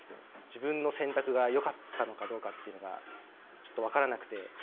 自分の選択がよかったのかどうかっていうのがちょっと分からなくて。